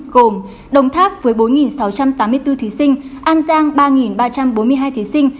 gồm đồng tháp với bốn sáu trăm tám mươi bốn thí sinh an giang ba ba trăm bốn mươi hai thí sinh